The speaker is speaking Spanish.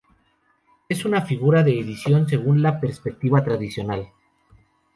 Es una figura de dicción según la preceptiva tradicional.